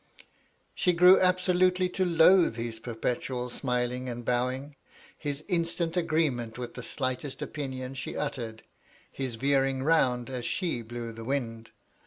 She grew absolutely to loathe his perpetual smiling and bowing; his instant agreement with the slightest opinion she uttered ; his veering round as she blew the wind.